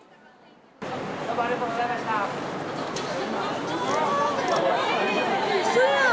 どうもありがとうございましうそやん。